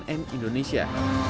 tim liputan cnn indonesia